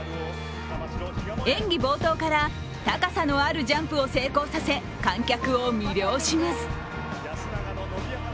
演技冒頭から高さのあるジャンプを成功させ観客を魅了します。